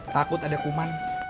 takut ada kuman